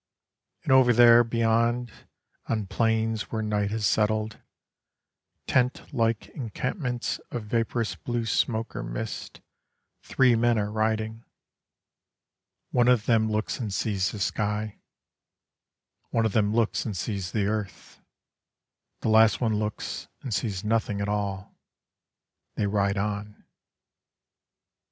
And over there, beyond, On plains where night has settled, Ten like encampments of vaporous blue smoke or mist, Three men are riding. One of them looks and sees the sky: One of them looks and sees the earth: The last one looks and sees nothing at all. They ride on.